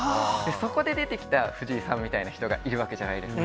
そこで出てきた藤井さんみたいな人がいるわけじゃないですか。